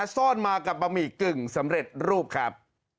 ซ่อนมากับบะหมี่กึ่งสำเร็จรูปครับ